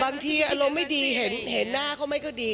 บางทีอารมณ์ไม่ดีเห็นหน้าเขาไม่ก็ดี